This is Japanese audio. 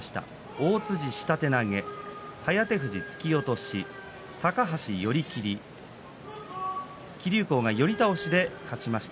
大辻は下手投げ颯富士が突き落とし高橋は寄り切り木竜皇が寄り倒しで勝ちました。